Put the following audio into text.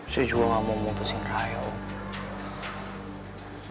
sejujurnya aku mau putusin raya om